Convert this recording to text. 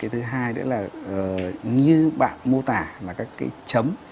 thứ hai nữa là như bạn mô tả là các chấm